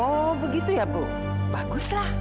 oh begitu ya bu baguslah